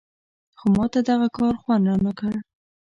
خو ماته دغه کار خوند نه راکړ.